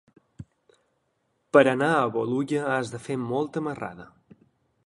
Per anar a Bolulla has de fer molta marrada.